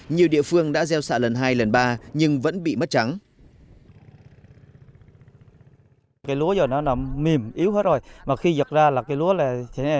nhiều nông dân ở tỉnh phú yên bị mất giống và thiệt hại nặng nề